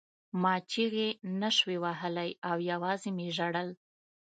ما چیغې نشوې وهلی او یوازې مې ژړل